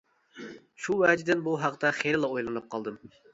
شۇ ۋەجىدىن بۇ ھەقتە خېلىلا ئويلىنىپ قالدىم.